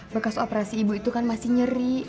bekas operasi ibu itu kan masih nyeri